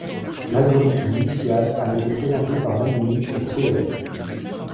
L'algorithme initial a été présenté par Naimi et Tréhel.